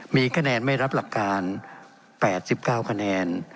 มีคะแนนไม่รับหลักการ๘๙คะแนน